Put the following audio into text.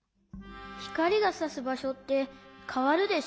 ひかりがさすばしょってかわるでしょ？